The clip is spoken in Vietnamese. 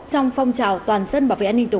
trong phong trào toàn dân và vệ an ninh quốc